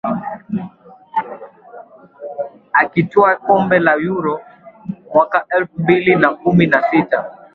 akitwaa kombe la Euro mwaka elfu mbili na kumi na sita